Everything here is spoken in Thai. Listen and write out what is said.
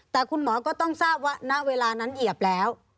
แต่คุณหมอก็ต้องทราบว่าณเวลานั้นเหยียบแล้ว